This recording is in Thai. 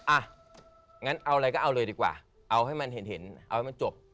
อ่ะงั้นเอาอะไรก็เอาเลยดีกว่าเอาให้มันเห็นเอาให้มันจบ